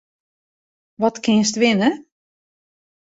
Wat kinst winne?